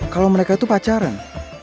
kalo mereka tuh pacaran